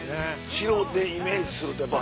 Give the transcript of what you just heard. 城でイメージするとやっぱ。